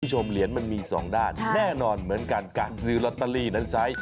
คุณผู้ชมเหรียญมันมีสองด้านแน่นอนเหมือนกันการซื้อลอตเตอรี่นั้นใช้